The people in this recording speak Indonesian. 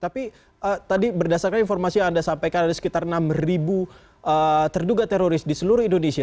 tapi tadi berdasarkan informasi yang anda sampaikan ada sekitar enam terduga teroris di seluruh indonesia